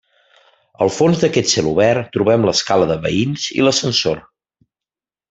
Al fons d'aquest celobert trobem l'escala de veïns i l'ascensor.